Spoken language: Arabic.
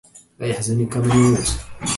لا يحزننك من يموت